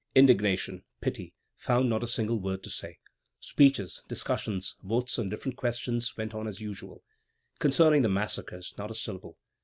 Indignation, pity, found not a single word to say. Speeches, discussions, votes on different questions, went on as usual. Concerning the massacres, not a syllable.